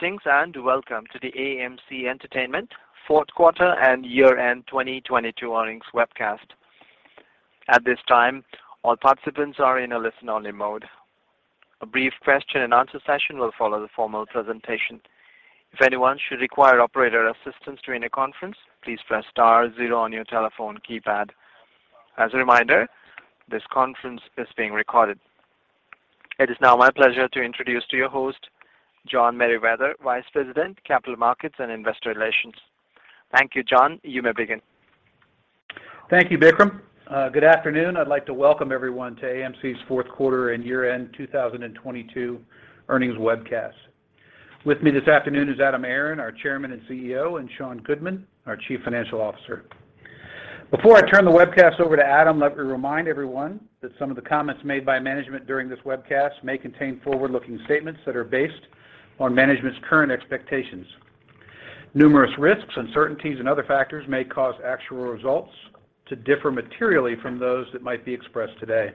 Greetings and welcome to the AMC Entertainment fourth quarter and year-end 2022 earnings webcast. At this time, all participants are in a listen-only mode. A brief question and answer session will follow the formal presentation. If anyone should require operator assistance during the conference, please press star zero on your telephone keypad. As a reminder, this conference is being recorded. It is now my pleasure to introduce to you our host, John Merriwether, Vice President, Capital Markets and Investor Relations. Thank you, John. You may begin. Thank you, Vikram. Good afternoon. I'd like to welcome everyone to AMC's fourth quarter and year-end 2022 earnings webcast. With me this afternoon is Adam Aron, our Chairman and CEO, and Sean Goodman, our Chief Financial Officer. Before I turn the webcast over to Adam, let me remind everyone that some of the comments made by management during this webcast may contain forward-looking statements that are based on management's current expectations. Numerous risks, uncertainties, and other factors may cause actual results to differ materially from those that might be expressed today.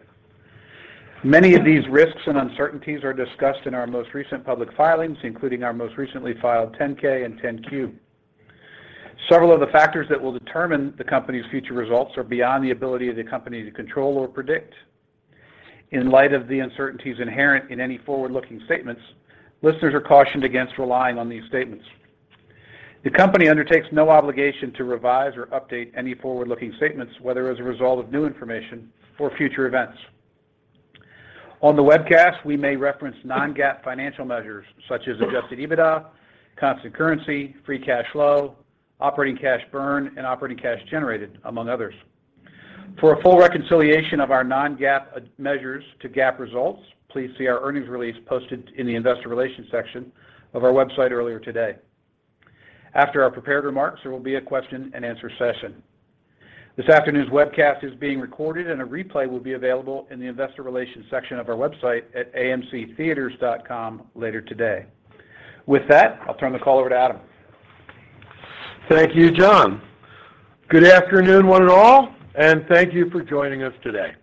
Many of these risks and uncertainties are discussed in our most recent public filings, including our most recently filed 10-K and 10-Q. In light of the uncertainties inherent in any forward-looking statements, listeners are cautioned against relying on these statements. The company undertakes no obligation to revise or update any forward-looking statements, whether as a result of new information or future events. On the webcast, we may reference non-GAAP financial measures such as Adjusted EBITDA, Constant currency, Free Cash Flow, Operating cash burn, and Operating cash generated, among others. For a full reconciliation of our non-GAAP measures to GAAP results, please see our earnings release posted in the investor relations section of our website earlier today. After our prepared remarks, there will be a question and answer session. This afternoon's webcast is being recorded, and a replay will be available in the investor relations section of our website at amctheatres.com later today. With that, I'll turn the call over to Adam. Thank you, John. Good afternoon, one and all. Thank you for joining us today.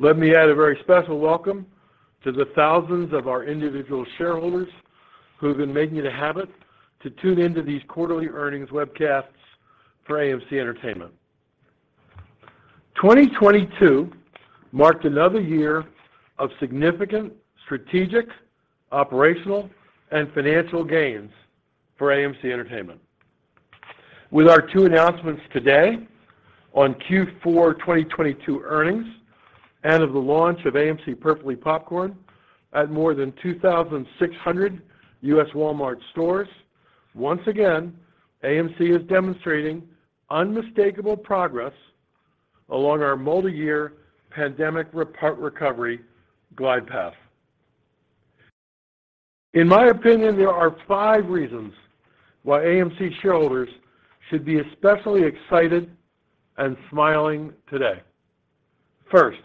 Let me add a very special welcome to the thousands of our individual shareholders who have been making it a habit to tune into these quarterly earnings webcasts for AMC Entertainment. 2022 marked another year of significant strategic, operational, and financial gains for AMC Entertainment. With our two announcements today on Q4 2022 earnings and of the launch of AMC Perfectly Popcorn at more than 2,600 U.S. Walmart stores, once again, AMC is demonstrating unmistakable progress along our multi-year pandemic recovery glide path. In my opinion, there are five reasons why AMC shareholders should be especially excited and smiling today. First,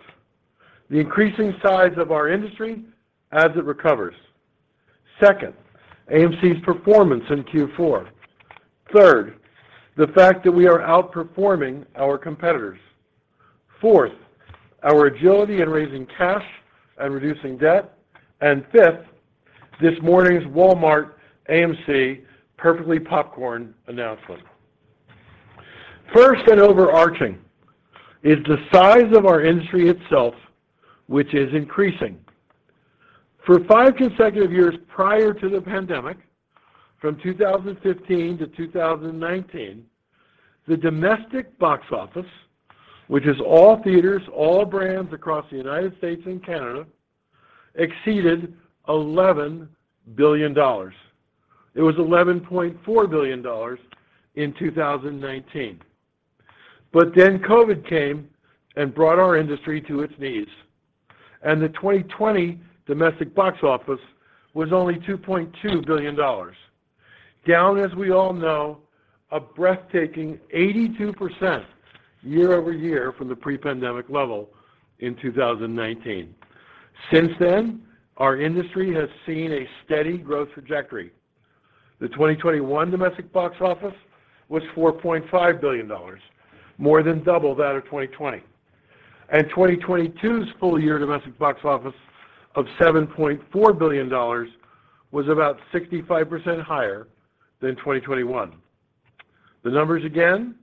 the increasing size of our industry as it recovers. Second, AMC's performance in Q4. Third, the fact that we are outperforming our competitors. Fourth, our agility in raising cash and reducing debt. Fifth, this morning's Walmart AMC Perfectly Popcorn announcement. First and overarching is the size of our industry itself, which is increasing. For five consecutive years prior to the pandemic, from 2015 to 2019, the domestic box office, which is all theaters, all brands across the United States and Canada, exceeded $11 billion. It was $11.4 billion in 2019. COVID came and brought our industry to its knees, and the 2020 domestic box office was only $2.2 billion, down, as we all know, a breathtaking 82% year-over-year from the pre-pandemic level in 2019. Since then, our industry has seen a steady growth trajectory. The 2021 domestic box office was $4.5 billion, more than double that of 2020. 2022's full-year domestic box office of $7.4 billion was about 65% higher than 2021. The numbers again,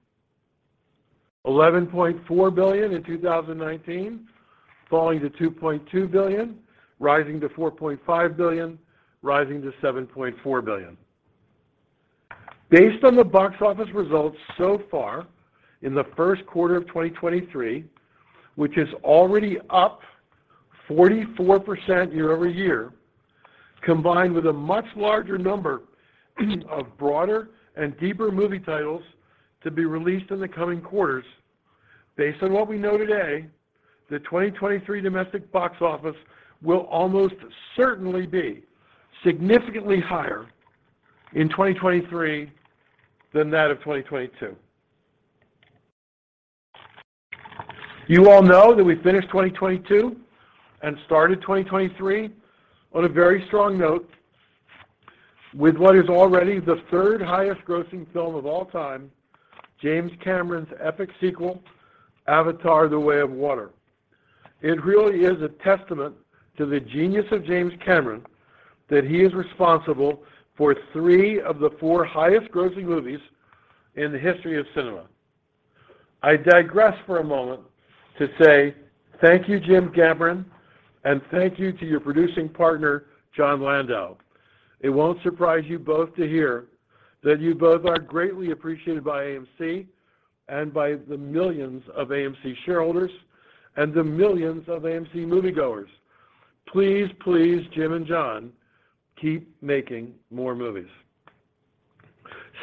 $11.4 billion in 2019, falling to $2.2 billion, rising to $4.5 billion, rising to $7.4 billion. Based on the box office results so far in the first quarter of 2023, which is already up 44% year-over-year, combined with a much larger number of broader and deeper movie titles to be released in the coming quarters. Based on what we know today, the 2023 domestic box office will almost certainly be significantly higher in 2023 than that of 2022. You all know that we finished 2022 and started 2023 on a very strong note with what is already the 3rd highest grossing film of all time, James Cameron's epic sequel, Avatar: The Way of Water. It really is a testament to the genius of James Cameron that he is responsible for three of the four highest grossing movies in the history of cinema. I digress for a moment to say thank you, Jim Cameron, and thank you to your producing partner, Jon Landau. It won't surprise you both to hear that you both are greatly appreciated by AMC and by the millions of AMC shareholders and the millions of AMC moviegoers. Please, please, Jim and Jon, keep making more movies.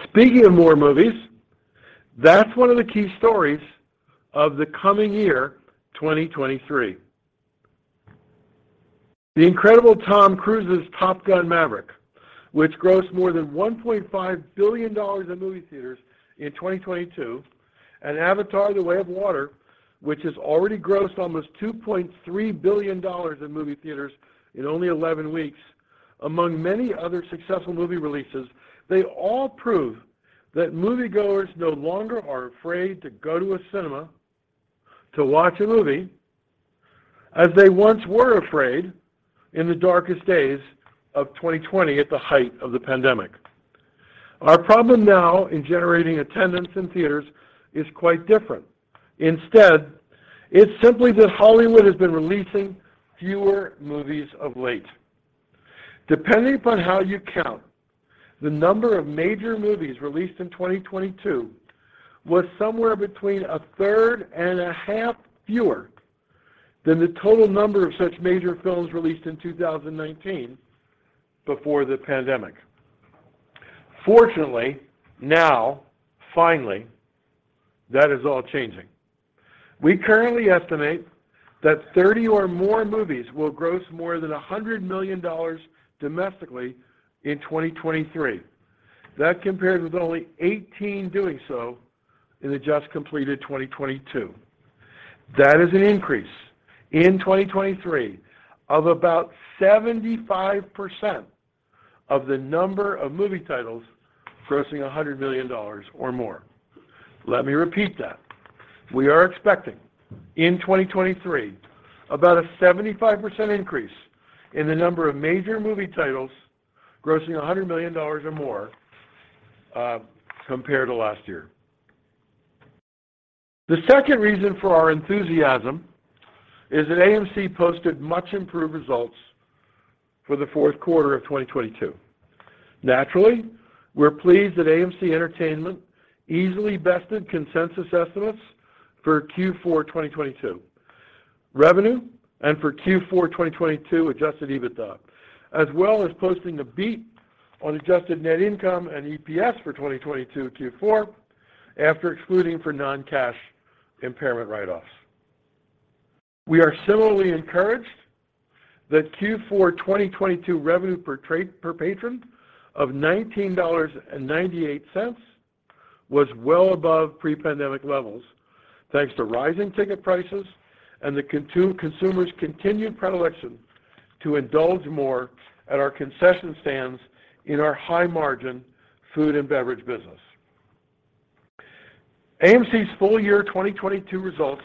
Speaking of more movies, that's one of the key stories of the coming year, 2023. The incredible Tom Cruise's Top Gun: Maverick, which grossed more than $1.5 billion in movie theaters in 2022, and Avatar: The Way of Water, which has already grossed almost $2.3 billion in movie theaters in only 11 weeks. Among many other successful movie releases, they all prove that moviegoers no longer are afraid to go to a cinema to watch a movie as they once were afraid in the darkest days of 2020, at the height of the pandemic. Our problem now in generating attendance in theaters is quite different. Instead, it's simply that Hollywood has been releasing fewer movies of late. Depending upon how you count, the number of major movies released in 2022 was somewhere between a third and a half fewer than the total number of such major films released in 2019 before the pandemic. Fortunately, now, finally, that is all changing. We currently estimate that 30 or more movies will gross more than $100 million domestically in 2023. That compares with only 18 doing so in the just completed 2022. That is an increase in 2023 of about 75% of the number of movie titles grossing $100 million or more. Let me repeat that. We are expecting in 2023 about a 75% increase in the number of major movie titles grossing $100 million or more compared to last year. The second reason for our enthusiasm is that AMC posted much improved results for the fourth quarter of 2022. Naturally, we're pleased that AMC Entertainment easily bested consensus estimates for Q4 2022 revenue and for Q4 2022 Adjusted EBITDA, as well as posting a beat on adjusted net income and EPS for 2022 Q4 after excluding for non-cash impairment write-offs. We are similarly encouraged that Q4 2022 revenue per patron of $19.98 was well above pre-pandemic levels, thanks to rising ticket prices and consumers continued predilection to indulge more at our concession stands in our high-margin food and beverage business. AMC's full year 2022 results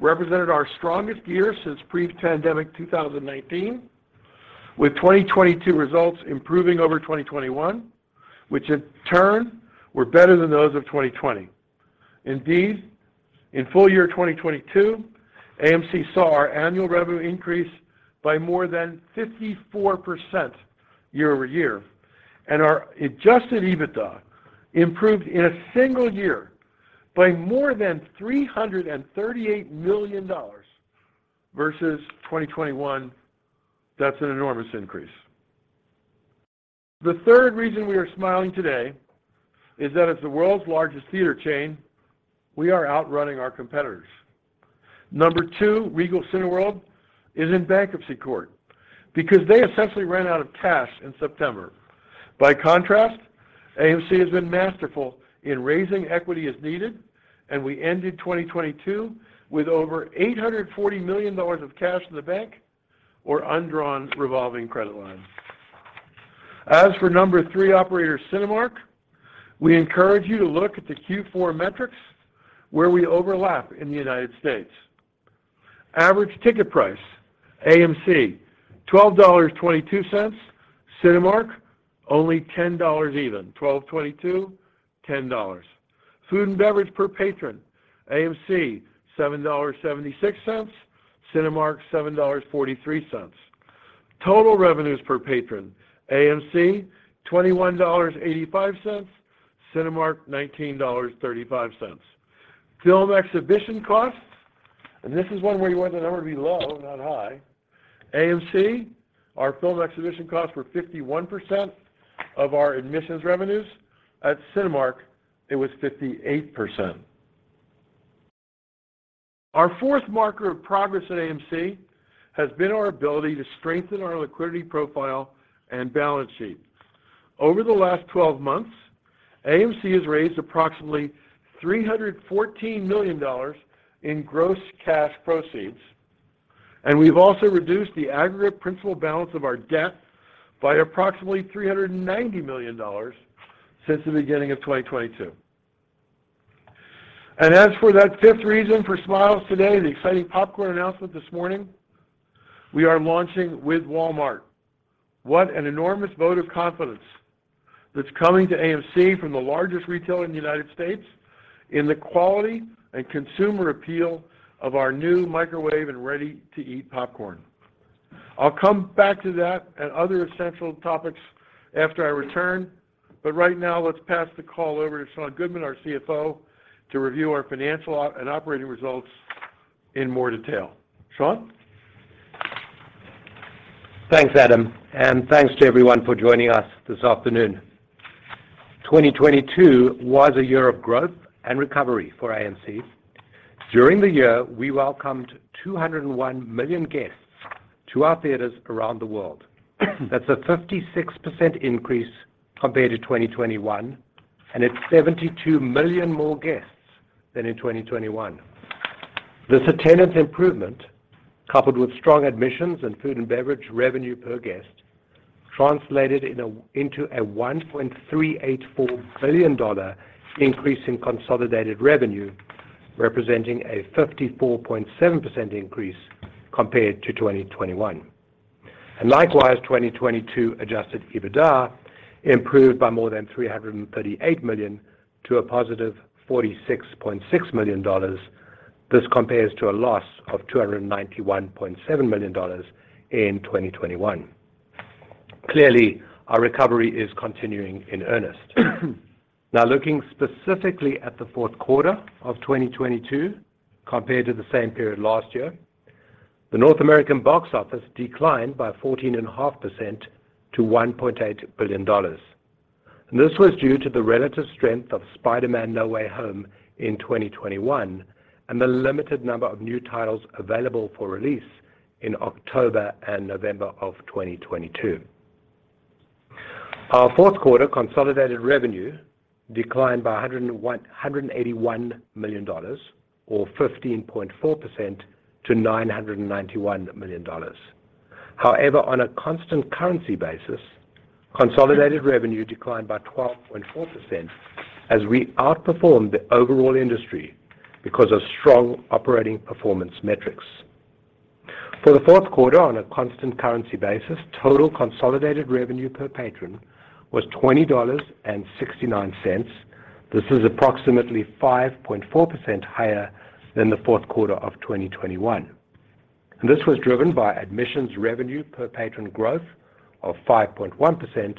represented our strongest year since pre-pandemic 2019, with 2022 results improving over 2021, which in turn were better than those of 2020. Indeed, in full year 2022, AMC saw our annual revenue increase by more than 54% year-over-year, and our Adjusted EBITDA improved in a single year by more than $338 million versus 2021. That's an enormous increase. The third reason we are smiling today is that as the world's largest theater chain, we are outrunning our competitors. Number two, Regal Cineworld, is in bankruptcy court because they essentially ran out of cash in September. By contrast, AMC has been masterful in raising equity as needed, and we ended 2022 with over $840 million of cash in the bank or undrawn revolving credit lines. As for number three operator, Cinemark, we encourage you to look at the Q4 metrics where we overlap in the United States. Average ticket price, AMC, $12.22. Cinemark, only $10.00. 12.22, $10. Food and beverage per patron, AMC, $7.76. Cinemark, $7.43. Total revenues per patron, AMC, $21.85. Cinemark, $19.35. Film exhibition costs, this is one where you want the number to be low, not high. AMC, our film exhibition costs were 51% of our admissions revenues. At Cinemark, it was 58%. Our fourth marker of progress at AMC has been our ability to strengthen our liquidity profile and balance sheet. Over the last 12 months, AMC has raised approximately $314 million in gross cash proceeds, we've also reduced the aggregate principal balance of our debt by approximately $390 million since the beginning of 2022. As for that fifth reason for smiles today, the exciting popcorn announcement this morning, we are launching with Walmart. What an enormous vote of confidence that's coming to AMC from the largest retailer in the United States in the quality and consumer appeal of our new microwave and ready-to-eat popcorn. I'll come back to that and other essential topics after I return. Right now let's pass the call over to Sean Goodman, our CFO, to review our financial and operating results in more detail. Sean? Thanks, Adam, thanks to everyone for joining us this afternoon. 2022 was a year of growth and recovery for AMC. During the year, we welcomed 201 million guests to our theaters around the world. That's a 56% increase compared to 2021, and it's 72 million more guests than in 2021. This attendance improvement, coupled with strong admissions and food and beverage revenue per guest, translated into a $1.384 billion increase in consolidated revenue, representing a 54.7% increase compared to 2021. Likewise, 2022 Adjusted EBITDA improved by more than $338 million to a positive $46.6 million. This compares to a loss of $291.7 million in 2021. Clearly, our recovery is continuing in earnest. Looking specifically at the fourth quarter of 2022 compared to the same period last year, the North American box office declined by 14.5% to $1.8 billion. This was due to the relative strength of Spider-Man: No Way Home in 2021 and the limited number of new titles available for release in October and November of 2022. Our fourth quarter consolidated revenue declined by $181 million or 15.4% to $991 million. However, on a constant currency basis, consolidated revenue declined by 12.4% as we outperformed the overall industry because of strong operating performance metrics. For the fourth quarter, on a constant currency basis, total consolidated revenue per patron was $20.69. This is approximately 5.4% higher than the fourth quarter of 2021. This was driven by admissions revenue per patron growth of 5.1%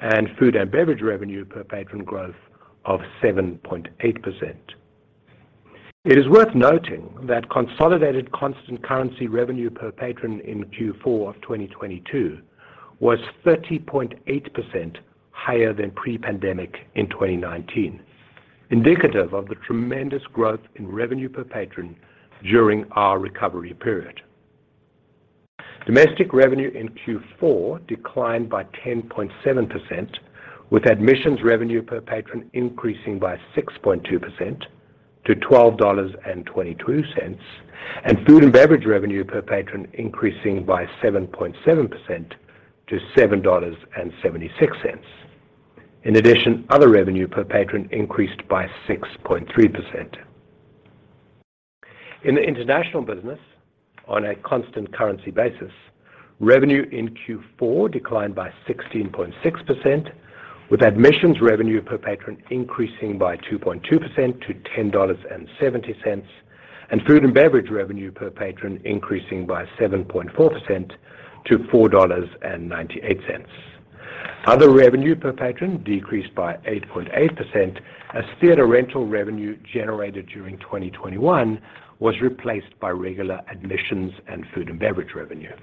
and food and beverage revenue per patron growth of 7.8%. It is worth noting that consolidated constant currency revenue per patron in Q4 of 2022 was 30.8% higher than pre-pandemic in 2019, indicative of the tremendous growth in revenue per patron during our recovery period. Domestic revenue in Q4 declined by 10.7%, with admissions revenue per patron increasing by 6.2% to $12.22, and food and beverage revenue per patron increasing by 7.7% to $7.76. In addition, other revenue per patron increased by 6.3%. In the international business, on a constant currency basis, revenue in Q4 declined by 16.6%, with admissions revenue per patron increasing by 2.2% to $10.70, and food and beverage revenue per patron increasing by 7.4% to $4.98. Other revenue per patron decreased by 8.8% as theater rental revenue generated during 2021 was replaced by regular admissions and food and beverage revenue.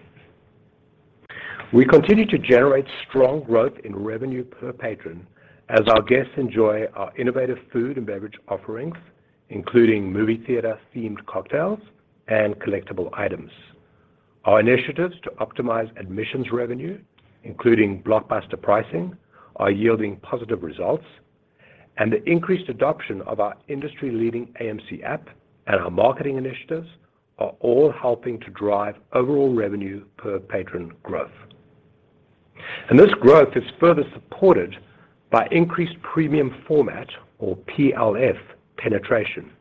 We continue to generate strong growth in revenue per patron as our guests enjoy our innovative food and beverage offerings, including movie theater-themed cocktails and collectible items. Our initiatives to optimize admissions revenue, including blockbuster pricing, are yielding positive results. The increased adoption of our industry-leading AMC Theatres app and our marketing initiatives are all helping to drive overall revenue per patron growth. This growth is further supported by increased premium format or PLF penetration,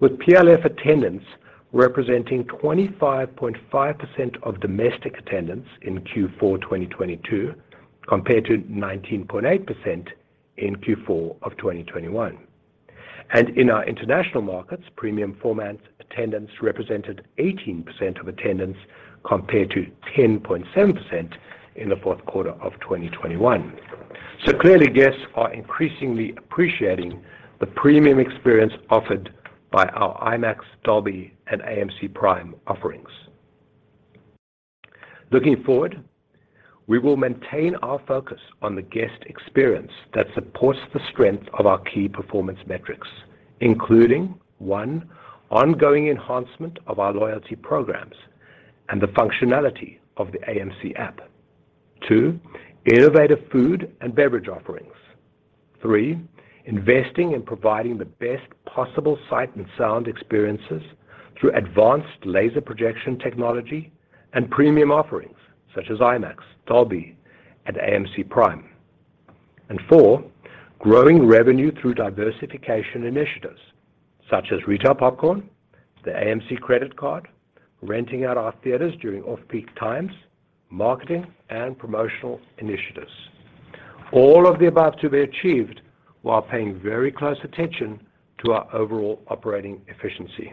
with PLF attendance representing 25.5% of domestic attendance in Q4 2022 compared to 19.8% in Q4 2021. In our international markets, premium format attendance represented 18% of attendance compared to 10.7% in the fourth quarter of 2021. Clearly guests are increasingly appreciating the premium experience offered by our IMAX, Dolby, and PRIME at AMC offerings. Looking forward, we will maintain our focus on the guest experience that supports the strength of our key performance metrics, including, one, ongoing enhancement of our loyalty programs and the functionality of the AMC Theatres app. Two, innovative food and beverage offerings. Three, investing in providing the best possible sight and sound experiences. Through advanced laser projection technology and premium offerings such as IMAX, Dolby, and PRIME at AMC. Four, growing revenue through diversification initiatives such as retail popcorn, the AMC credit card, renting out our theaters during off-peak times, marketing, and promotional initiatives. All of the above to be achieved while paying very close attention to our overall operating efficiency.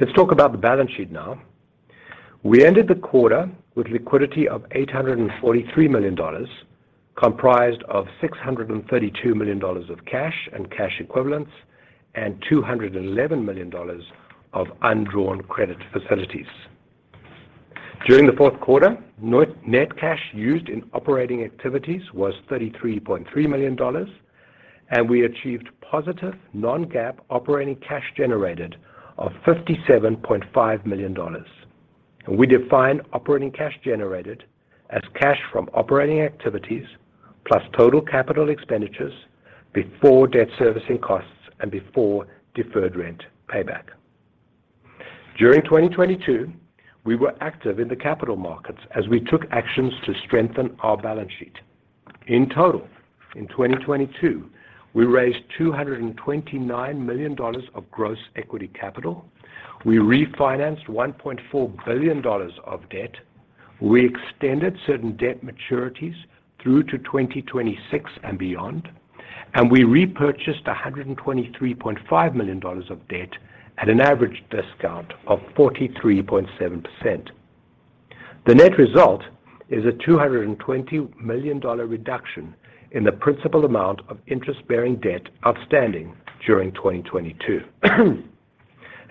Let's talk about the balance sheet now. We ended the quarter with liquidity of $843 million, comprised of $632 million of cash and cash equivalents and $211 million of undrawn credit facilities. During the fourth quarter, net cash used in operating activities was $33.3 million, and we achieved positive non-GAAP operating cash generated of $57.5 million. We define operating cash generated as cash from operating activities plus total capital expenditures before debt servicing costs and before deferred rent payback. During 2022, we were active in the capital markets as we took actions to strengthen our balance sheet. In total, in 2022, we raised $229 million of gross equity capital. We refinanced $1.4 billion of debt. We extended certain debt maturities through to 2026 and beyond. We repurchased $123.5 million of debt at an average discount of 43.7%. The net result is a $220 million reduction in the principal amount of interest-bearing debt outstanding during 2022.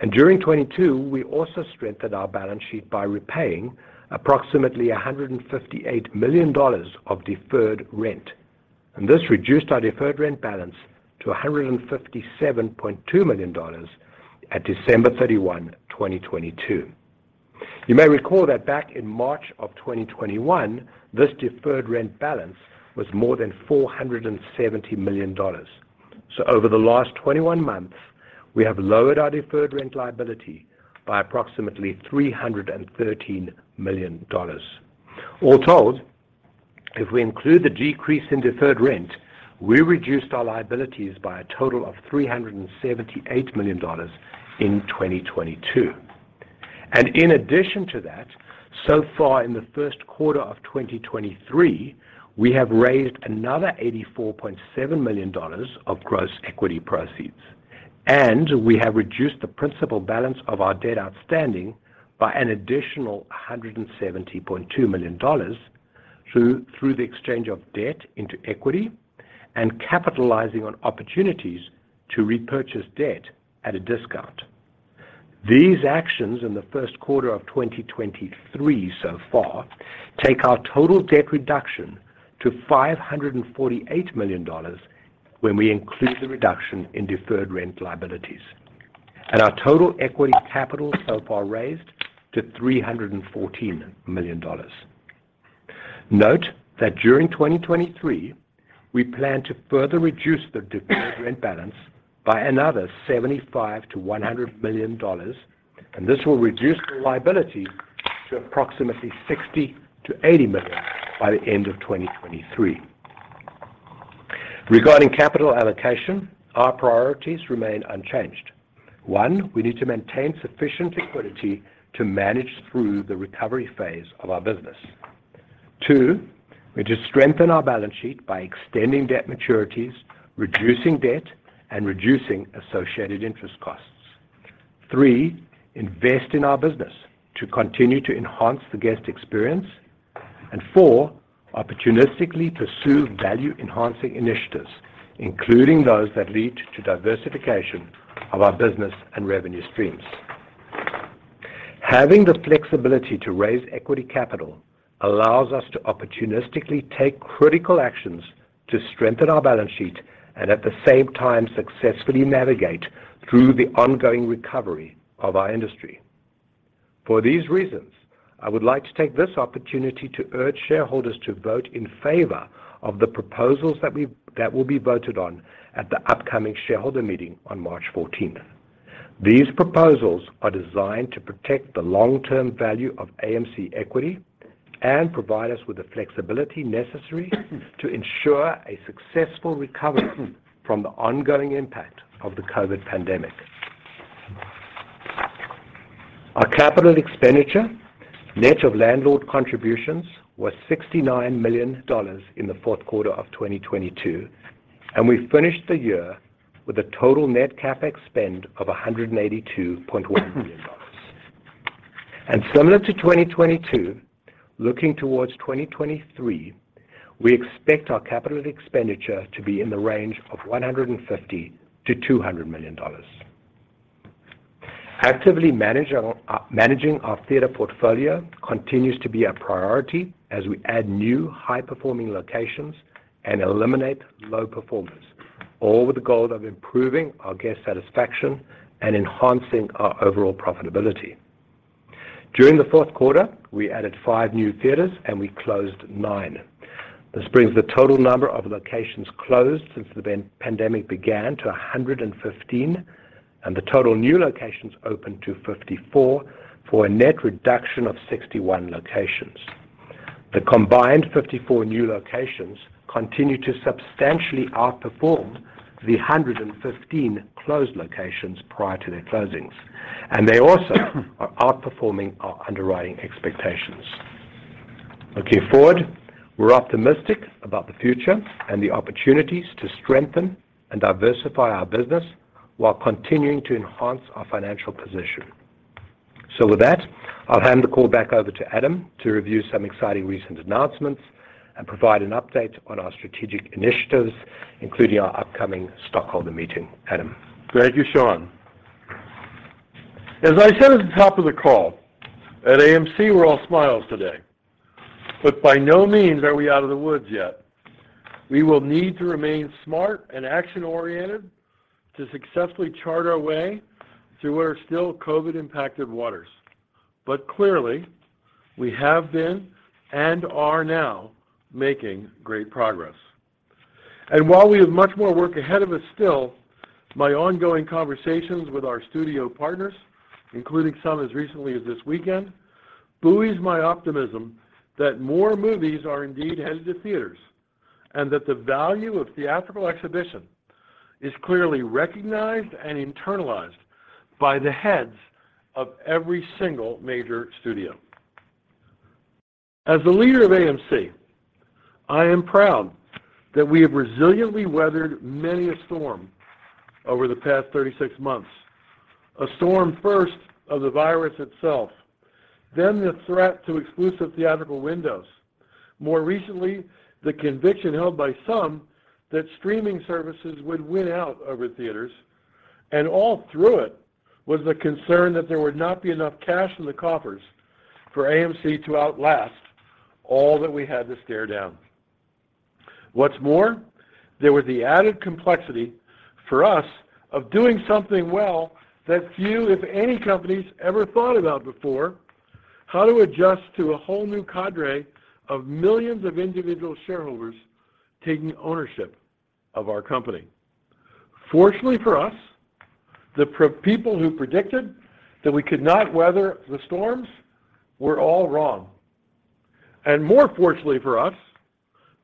During 2022, we also strengthened our balance sheet by repaying approximately $158 million of deferred rent. This reduced our deferred rent balance to $157.2 million at December 31, 2022. You may recall that back in March of 2021, this deferred rent balance was more than $470 million. Over the last 21 months, we have lowered our deferred rent liability by approximately $313 million. All told, if we include the decrease in deferred rent, we reduced our liabilities by a total of $378 million in 2022. In addition to that, so far in the first quarter of 2023, we have raised another $84.7 million of gross equity proceeds, and we have reduced the principal balance of our debt outstanding by an additional $170.2 million through the exchange of debt into equity and capitalizing on opportunities to repurchase debt at a discount. These actions in the first quarter of 2023 so far take our total debt reduction to $548 million when we include the reduction in deferred rent liabilities. Our total equity capital so far raised to $314 million. Note that during 2023, we plan to further reduce the deferred rent balance by another $75 million-$100 million, this will reduce the liability to approximately $60 million-$80 million by the end of 2023. Regarding capital allocation, our priorities remain unchanged. One, we need to maintain sufficient liquidity to manage through the recovery phase of our business. Two, we need to strengthen our balance sheet by extending debt maturities, reducing debt, and reducing associated interest costs. Three, invest in our business to continue to enhance the guest experience. Four, opportunistically pursue value-enhancing initiatives, including those that lead to diversification of our business and revenue streams. Having the flexibility to raise equity capital allows us to opportunistically take critical actions to strengthen our balance sheet and at the same time successfully navigate through the ongoing recovery of our industry. For these reasons, I would like to take this opportunity to urge shareholders to vote in favor of the proposals that will be voted on at the upcoming shareholder meeting on March 14th. These proposals are designed to protect the long-term value of AMC equity and provide us with the flexibility necessary to ensure a successful recovery from the ongoing impact of the COVID pandemic. Our capital expenditure, net of landlord contributions, was $69 million in the fourth quarter of 2022, and we finished the year with a total net CapEx spend of $182.1 million. Similar to 2022, looking towards 2023, we expect our capital expenditure to be in the range of $150 million-$200 million. Actively managing our theater portfolio continues to be a priority as we add new high-performing locations and eliminate low performers, all with the goal of improving our guest satisfaction and enhancing our overall profitability. During the fourth quarter, we added five new theaters and we closed nine. This brings the total number of locations closed since the pandemic began to 115 and the total new locations opened to 54 for a net reduction of 61 locations. The combined 54 new locations continue to substantially outperform the 115 closed locations prior to their closings. They also are outperforming our underwriting expectations. Looking forward, we're optimistic about the future and the opportunities to strengthen and diversify our business while continuing to enhance our financial position. With that, I'll hand the call back over to Adam to review some exciting recent announcements and provide an update on our strategic initiatives, including our upcoming stockholder meeting. Adam. Thank you, Sean. As I said at the top of the call, at AMC we're all smiles today, but by no means are we out of the woods yet. We will need to remain smart and action-oriented to successfully chart our way through our still COVID-impacted waters. Clearly, we have been and are now making great progress. While we have much more work ahead of us still, my ongoing conversations with our studio partners, including some as recently as this weekend, buoys my optimism that more movies are indeed headed to theaters, and that the value of theatrical exhibition is clearly recognized and internalized by the heads of every single major studio. As the leader of AMC, I am proud that we have resiliently weathered many a storm over the past 36 months. A storm first of the virus itself, then the threat to exclusive theatrical windows. More recently, the conviction held by some that streaming services would win out over theaters. All through it was the concern that there would not be enough cash in the coffers for AMC to outlast all that we had to stare down. What's more, there was the added complexity for us of doing something well that few, if any, companies ever thought about before, how to adjust to a whole new cadre of millions of individual shareholders taking ownership of our company. Fortunately for us, the people who predicted that we could not weather the storms were all wrong. More fortunately for us,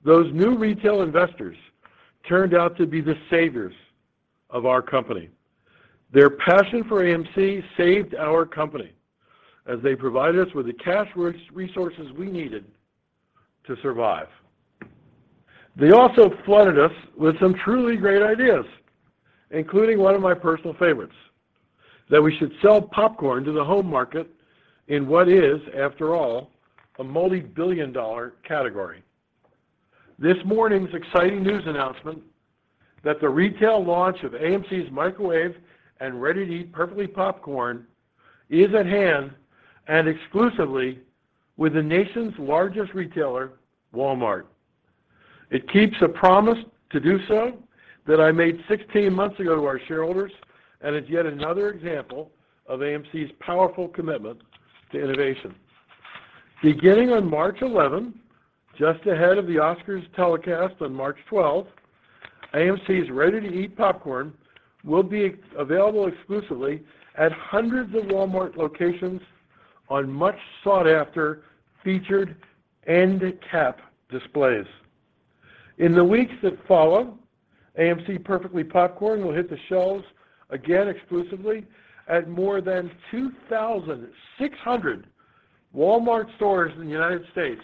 those new retail investors turned out to be the saviors of our company. Their passion for AMC saved our company as they provided us with the cash resources we needed to survive. They also flooded us with some truly great ideas, including one of my personal favorites, that we should sell popcorn to the home market in what is, after all, a multibillion-dollar category. This morning's exciting news announcement that the retail launch of AMC's microwave and ready-to-eat Perfectly Popcorn is at hand and exclusively with the nation's largest retailer, Walmart. It keeps a promise to do so that I made 16 months ago to our shareholders and is yet another example of AMC's powerful commitment to innovation. Beginning on March 11, just ahead of the Oscars telecast on March 12, AMC's ready-to-eat popcorn will be available exclusively at hundreds of Walmart locations on much sought-after featured end cap displays. In the weeks that follow, AMC Perfectly Popcorn will hit the shelves again exclusively at more than 2,600 Walmart stores in the United States,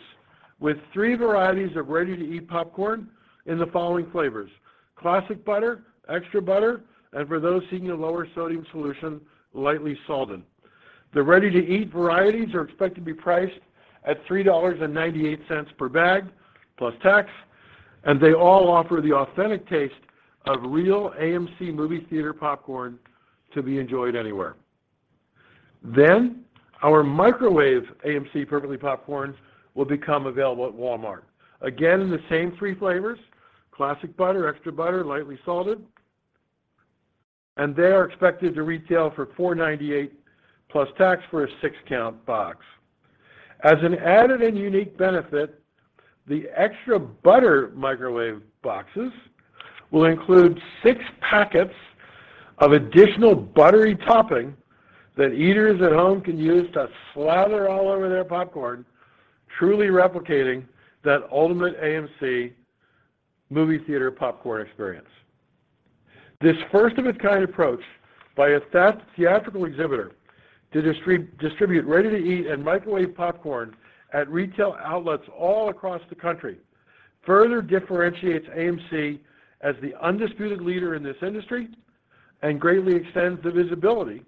with 3 varieties of ready-to-eat popcorn in the following flavors: Classic Butter, Extra Butter, and for those seeking a lower sodium solution, Lightly Salted. The ready-to-eat varieties are expected to be priced at $3.98 per bag, plus tax, and they all offer the authentic taste of real AMC movie theater popcorn to be enjoyed anywhere. Our microwave AMC Perfectly Popcorns will become available at Walmart. Again, in the same 3 flavors, Classic Butter, Extra Butter, Lightly Salted, and they are expected to retail for $4.98 plus tax for a 6-count box. As an added and unique benefit, the Extra Butter microwave boxes will include six packets of additional buttery topping that eaters at home can use to slather all over their popcorn, truly replicating that ultimate AMC movie theater popcorn experience. This first-of-its-kind approach by a theatrical exhibitor to distribute ready-to-eat and microwave popcorn at retail outlets all across the country further differentiates AMC as the undisputed leader in this industry and greatly extends the visibility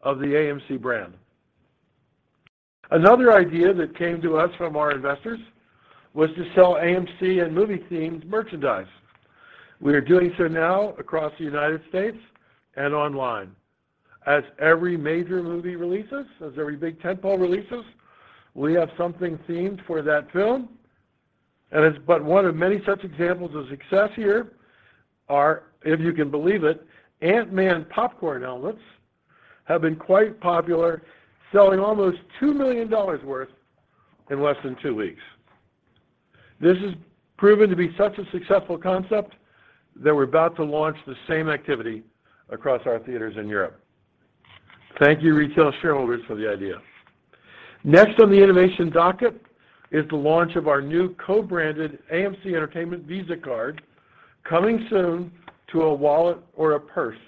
of the AMC brand. Another idea that came to us from our investors was to sell AMC and movie-themed merchandise. We are doing so now across the United States and online. As every major movie releases, as every big tentpole releases, we have something themed for that film. It's but one of many such examples of success here are, if you can believe it, Ant-Man popcorn helmets have been quite popular, selling almost $2 million worth in less than two weeks. This has proven to be such a successful concept that we're about to launch the same activity across our theaters in Europe. Thank you, retail shareholders, for the idea. Next on the innovation docket is the launch of our new co-branded AMC Entertainment Visa Card coming soon to a wallet or a purse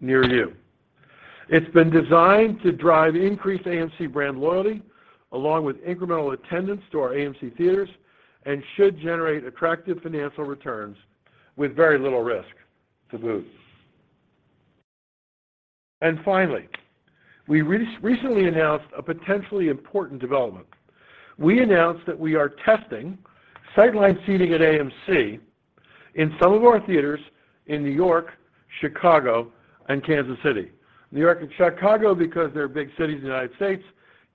near you. It's been designed to drive increased AMC brand loyalty along with incremental attendance to our AMC theaters and should generate attractive financial returns with very little risk to boot. Finally, we recently announced a potentially important development. We announced that we are testing sideline seating at AMC in some of our theaters in New York, Chicago, and Kansas City. New York and Chicago because they're big cities in the United States,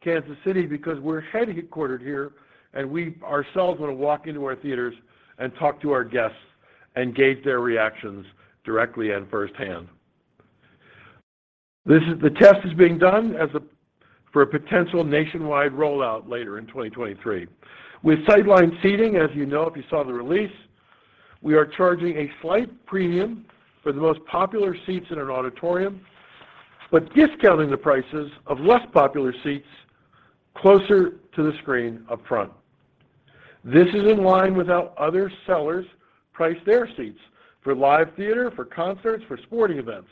Kansas City because we're headquartered here and we ourselves want to walk into our theaters and talk to our guests and gauge their reactions directly and firsthand. The test is being done for a potential nationwide rollout later in 2023. With sideline seating, as you know if you saw the release, we are charging a slight premium for the most popular seats in an auditorium but discounting the prices of less popular seats closer to the screen up front. This is in line with how other sellers price their seats for live theater, for concerts, for sporting events.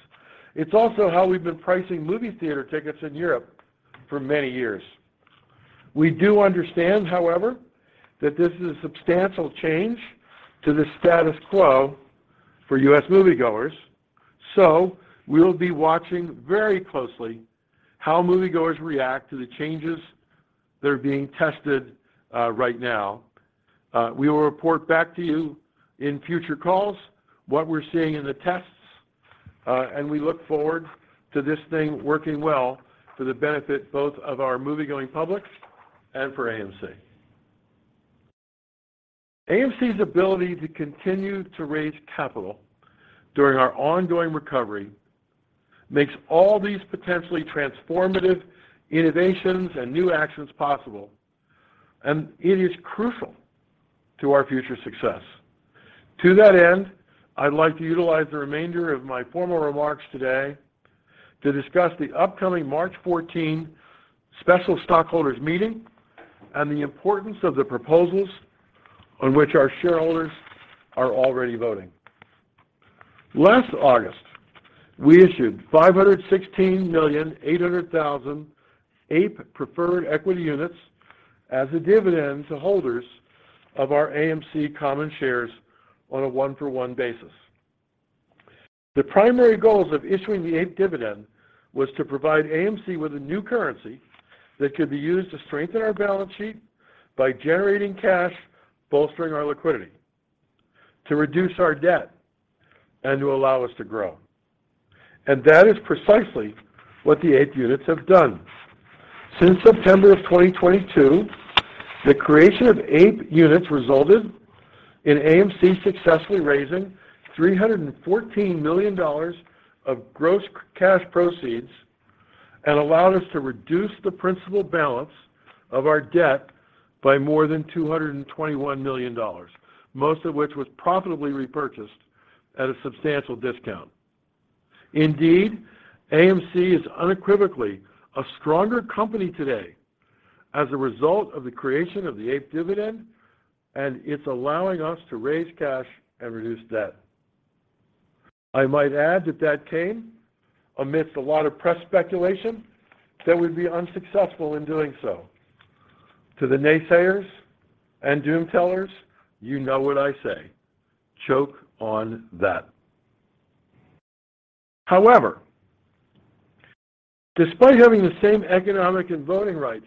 It's also how we've been pricing movie theater tickets in Europe for many years. We do understand, however, that this is a substantial change to the status quo for U.S. moviegoers, so we will be watching very closely how moviegoers react to the changes that are being tested right now. We will report back to you in future calls what we're seeing in the tests, and we look forward to this thing working well for the benefit both of our moviegoing public and for AMC. AMC's ability to continue to raise capital during our ongoing recovery makes all these potentially transformative innovations and new actions possible, and it is crucial to our future success. To that end, I'd like to utilize the remainder of my formal remarks today to discuss the upcoming March 14 special stockholders meeting and the importance of the proposals on which our shareholders are already voting. Last August, we issued 516,800,000 APE preferred equity units as a dividend to holders of our AMC common shares on a one-for-one basis. The primary goals of issuing the APE dividend was to provide AMC with a new currency that could be used to strengthen our balance sheet by generating cash bolstering our liquidity, to reduce our debt, and to allow us to grow. That is precisely what the APE units have done. Since September of 2022, the creation of APE units resulted in AMC successfully raising $314 million of gross cash proceeds and allowed us to reduce the principal balance of our debt by more than $221 million, most of which was profitably repurchased at a substantial discount. Indeed, AMC is unequivocally a stronger company today as a result of the creation of the APE dividend, and it's allowing us to raise cash and reduce debt. I might add that that came amidst a lot of press speculation that we'd be unsuccessful in doing so. To the naysayers and doomtellers, you know what I say. Choke on that. However, despite having the same economic and voting rights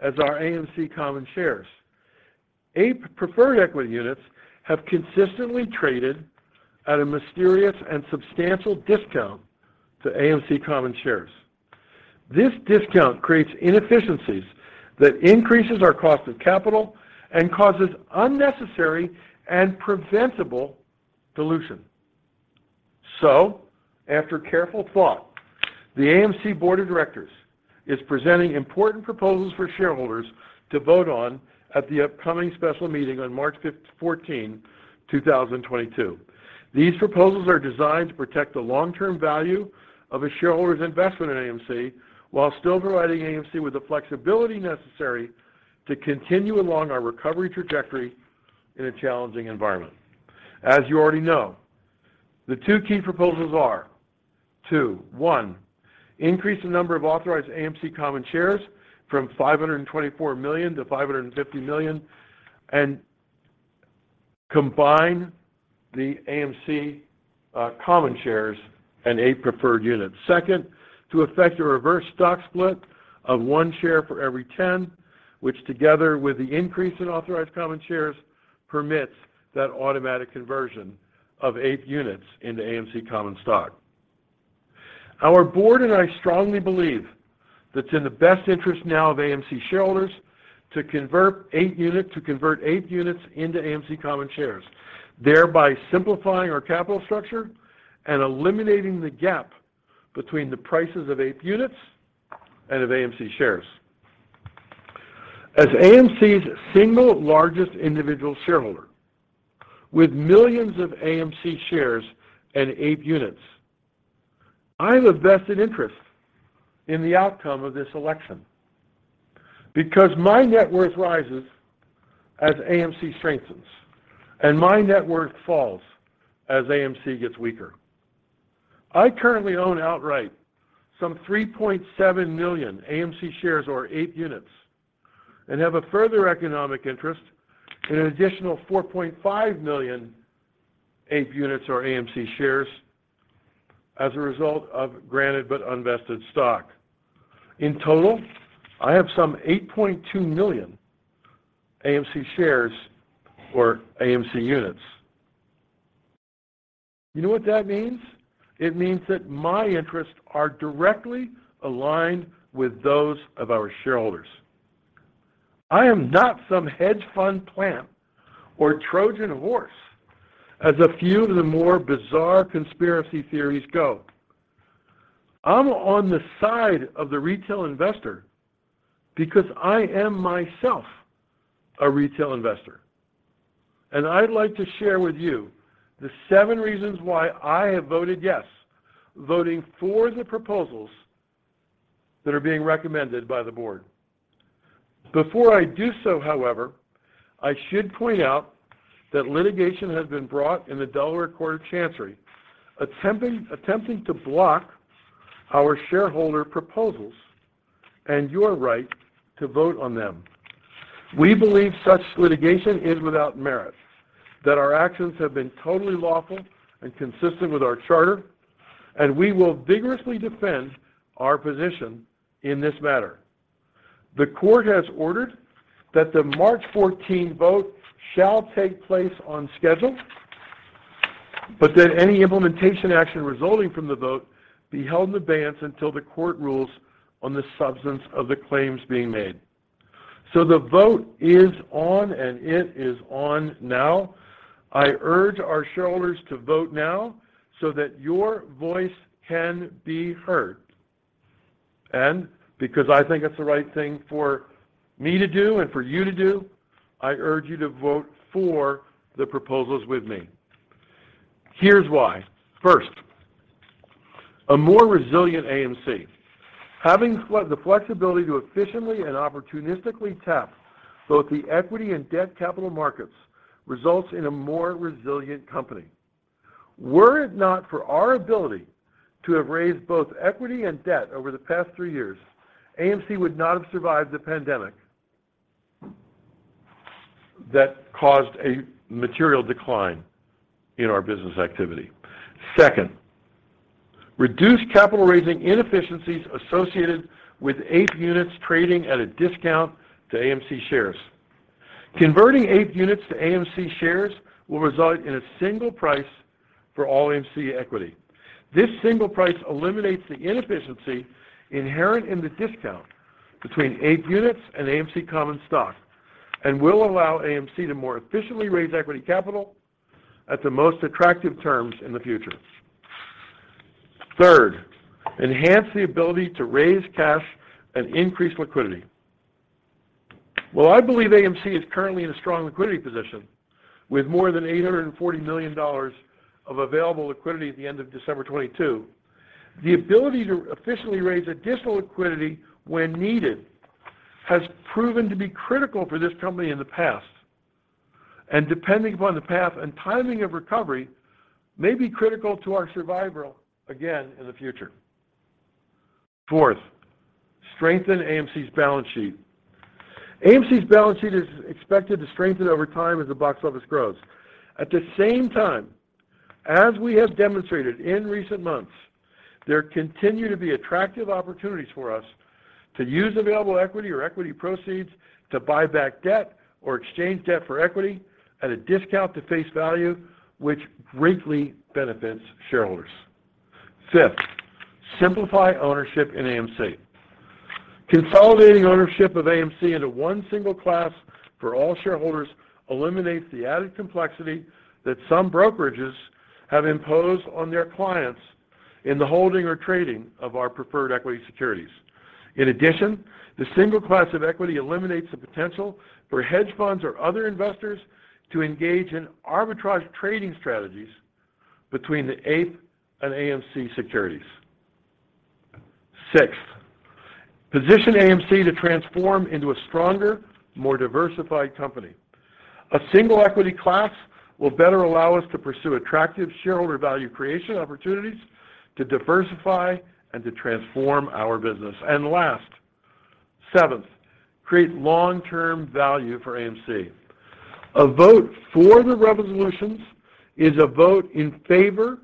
as our AMC common shares, APE preferred equity units have consistently traded at a mysterious and substantial discount to AMC common shares. This discount creates inefficiencies that increases our cost of capital and causes unnecessary and preventable dilution. After careful thought, the AMC Board of Directors is presenting important proposals for shareholders to vote on at the upcoming special meeting on March 14, 2022. These proposals are designed to protect the long-term value of a shareholder's investment in AMC while still providing AMC with the flexibility necessary to continue along our recovery trajectory in a challenging environment. As you already know, the two key proposals are to, one, increase the number of authorized AMC common shares from 524 million to 550 million and combine the AMC common shares and APE preferred units. Second, to effect a reverse stock split of one share for every 10, which together with the increase in authorized common shares permits that automatic conversion of APE units into AMC common stock. Our board and I strongly believe that it's in the best interest now of AMC shareholders to convert APE units into AMC common shares, thereby simplifying our capital structure and eliminating the gap between the prices of APE units and of AMC shares. As AMC's single largest individual shareholder with millions of AMC shares and APE units, I have a vested interest in the outcome of this election because my net worth rises as AMC strengthens and my net worth falls as AMC gets weaker. I currently own outright some 3.7 million AMC shares or APE units and have a further economic interest in an additional 4.5 million APE units or AMC shares as a result of granted but unvested stock. In total, I have some 8.2 million AMC shares or AMC units. You know what that means? It means that my interests are directly aligned with those of our shareholders. I am not some hedge fund plant or Trojan horse as a few of the more bizarre conspiracy theories go. I'm on the side of the retail investor because I am myself a retail investor, and I'd like to share with you the seven reasons why I have voted yes, voting for the proposals that are being recommended by the board. Before I do so, however, I should point out that litigation has been brought in the Delaware Court of Chancery attempting to block our shareholder proposals and your right to vote on them. We believe such litigation is without merit, that our actions have been totally lawful and consistent with our charter, and we will vigorously defend our position in this matter. The court has ordered that the March fourteenth vote shall take place on schedule, but that any implementation action resulting from the vote be held in advance until the court rules on the substance of the claims being made. The vote is on, and it is on now. I urge our shareholders to vote now so that your voice can be heard. Because I think it's the right thing for me to do and for you to do, I urge you to vote for the proposals with me. Here's why. First, a more resilient AMC. Having the flexibility to efficiently and opportunistically tap both the equity and debt capital markets results in a more resilient company. Were it not for our ability to have raised both equity and debt over the past three years, AMC would not have survived the pandemic that caused a material decline in our business activity. Second, reduce capital raising inefficiencies associated with APE units trading at a discount to AMC shares. Converting APE units to AMC shares will result in a single price for all AMC equity. This single price eliminates the inefficiency inherent in the discount between APE units and AMC common stock and will allow AMC to more efficiently raise equity capital at the most attractive terms in the future. Third, enhance the ability to raise cash and increase liquidity. While I believe AMC is currently in a strong liquidity position with more than $840 million of available liquidity at the end of December 2022, the ability to efficiently raise additional liquidity when needed has proven to be critical for this company in the past and, depending upon the path and timing of recovery, may be critical to our survival again in the future. Fourth, strengthen AMC's balance sheet. AMC's balance sheet is expected to strengthen over time as the box office grows. At the same time, as we have demonstrated in recent months, there continue to be attractive opportunities for us to use available equity or equity proceeds to buy back debt or exchange debt for equity at a discount to face value, which greatly benefits shareholders. Fifth, simplify ownership in AMC. Consolidating ownership of AMC into one single class for all shareholders eliminates the added complexity that some brokerages have imposed on their clients in the holding or trading of our preferred equity securities. In addition, the single class of equity eliminates the potential for hedge funds or other investors to engage in arbitrage trading strategies between the APE and AMC securities. Sixth, position AMC to transform into a stronger, more diversified company. A single equity class will better allow us to pursue attractive shareholder value creation opportunities to diversify and to transform our business. Last, seventh, create long-term value for AMC. A vote for the resolutions is a vote in favor